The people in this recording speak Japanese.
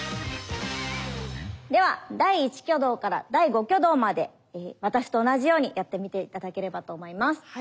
では第１挙動から第５挙動まで私と同じようにやってみて頂ければと思います。